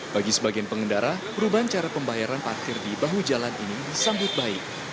bagi sebagian pengendara perubahan cara pembayaran parkir di bahu jalan ini disambut baik